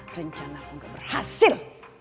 rencana aku gak berhasil